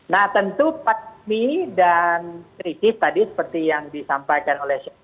nah tentu patmi dan kritis tadi seperti yang disampaikan oleh sean